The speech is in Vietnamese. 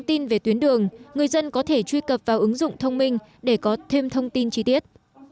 tuyến đường người dân có thể truy cập vào ứng dụng thông minh để có thêm thông tin chi tiết